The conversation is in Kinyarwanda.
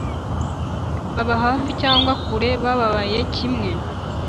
Baba hafi cyangwa kure, bababaye kimwe,